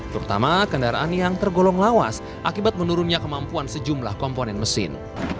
terutama kendaraan yang tergolong lawas akibat menurunnya kemampuan sejumlah komponen mesin